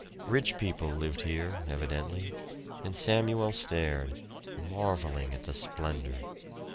Rich people lived here, evidently; and Samuel stared, marveling at the splendor.